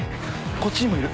こっちにもいる。